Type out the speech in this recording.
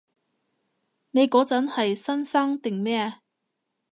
你嗰陣係新生定咩？